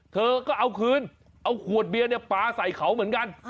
เธอก็เอาคืนเอาขวดเบียร์ปลาใส่เขาเหมือนกัน